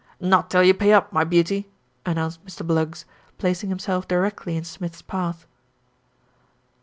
"Not till you pay up, my beauty," announced Mr. Bluggs, placing himself directly in Smith's path.